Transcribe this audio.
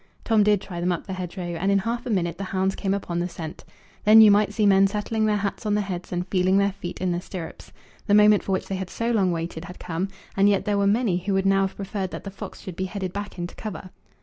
Tom did try them up the hedgerow, and in half a minute the hounds came upon the scent. Then you might see men settling their hats on their heads, and feeling their feet in the stirrups. The moment for which they had so long waited had come, and yet there were many who would now have preferred that the fox should be headed back into cover.